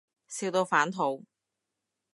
笑到反肚